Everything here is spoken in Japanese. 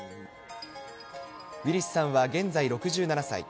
ウィリスさんは現在６７歳。